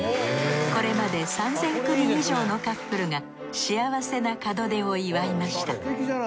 これまで３，０００組以上のカップルが幸せな門出を祝いました。